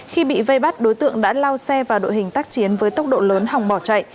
khi bị vây bắt đối tượng đã lao xe vào đội hình tác chiến với tốc độ lớn hòng bỏ chạy